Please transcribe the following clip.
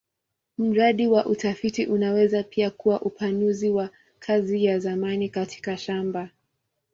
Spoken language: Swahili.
Mradi wa utafiti unaweza pia kuwa upanuzi wa kazi ya zamani katika shamba.